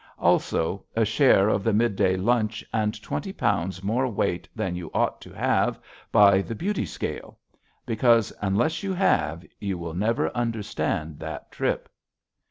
Also, a share of the midday lunch and twenty pounds more weight than you ought to have by the beauty scale? Because, unless you have, you will never understand that trip.